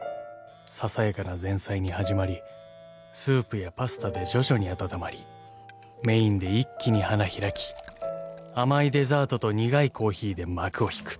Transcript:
［ささやかな前菜に始まりスープやパスタで徐々に温まりメインで一気に花開き甘いデザートと苦いコーヒーで幕を引く］